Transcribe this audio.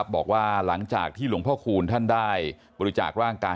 บอกว่าหลังจากที่หลวงพ่อคูณท่านได้บริจาคร่างกาย